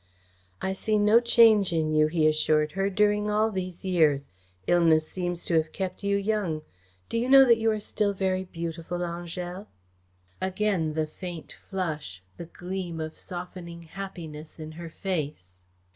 "I see no change in you," he assured her, "during all these years. Illness seems to have kept you young. Do you know that you are still very beautiful, Angèle?" Again the faint flush, the gleam of softening happiness in her face.